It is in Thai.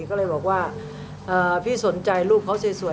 ก็เลยบอกว่าพี่สนใจลูกเขาสวย